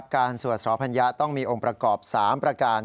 สวดสพัญญะต้องมีองค์ประกอบ๓ประการ